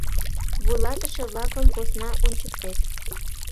Вуйлатыше-влакым посна ончыктет.